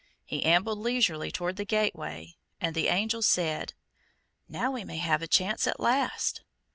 He ambled leisurely toward the gateway, and the Angel said: "Now, we may have a chance, at last."